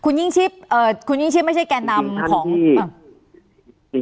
คุณยิ่งชิบไม่ใช่แก่นำของ